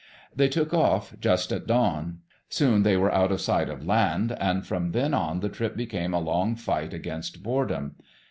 They took off just at dawn. Soon they were out of sight of land, and from then on the trip became a long fight against boredom.